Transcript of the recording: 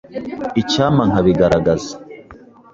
Icyampa nkabigaragaza.